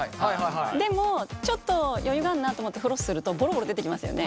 でもちょっと余裕があるなと思ってフロスするとボロボロ出てきますよね？